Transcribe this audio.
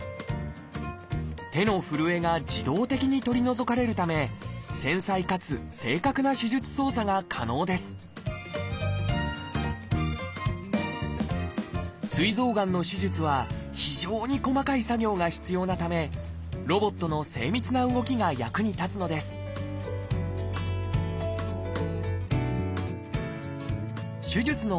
手の震えが自動的に取り除かれるため繊細かつ正確な手術操作が可能ですすい臓がんの手術は非常に細かい作業が必要なためロボットの精密な動きが役に立つのです手術の